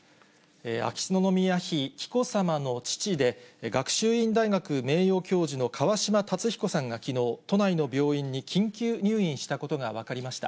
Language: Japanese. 秋篠宮妃紀子さまの父で、学習院大学名誉教授の川嶋辰彦さんが、きのう、都内の病院に緊急入院したことが分かりました。